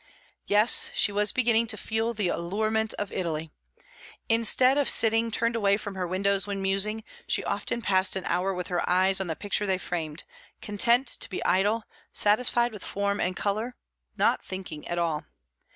Yes, she was beginning to feel the allurement of Italy. Instead of sitting turned away from her windows when musing, she often passed an hour with her eyes on the picture they framed, content to be idle, satisfied with form and colour, not thinking at all.